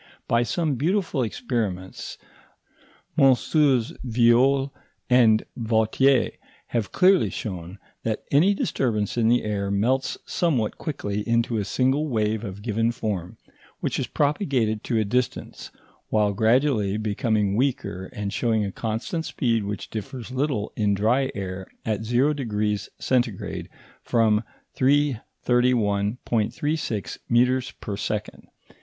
By some beautiful experiments, MM. Violle and Vautier have clearly shown that any disturbance in the air melts somewhat quickly into a single wave of given form, which is propagated to a distance, while gradually becoming weaker and showing a constant speed which differs little in dry air at 0° C. from 331.36 metres per second.